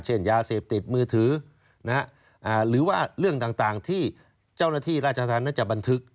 ยาเสพติดมือถือหรือว่าเรื่องต่างที่เจ้าหน้าที่ราชธรรมน่าจะบันทึก